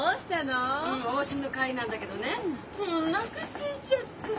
往診の帰りなんだけどねおなかすいちゃってさ。